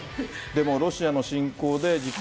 でもロシアの侵攻で、実は。